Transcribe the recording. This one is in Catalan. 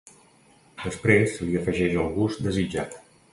Després, se li afegeix el gust desitjat.